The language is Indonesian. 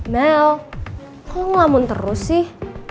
mel kok lo ngelamun terus sih